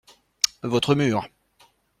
Votre mur.